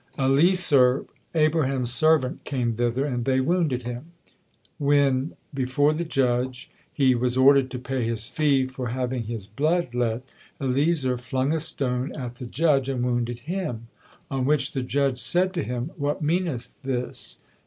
Eleasar, Abraham's servant, came thither, and they wounded him. When, before the judge, he was ordered to pay his fee for having his blood let, Eleasar flung a stone at the judge, and wounded him; on which the judge said to him "What meaneth this?"